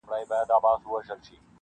ویل خدایه تا ویل زه دي پالمه-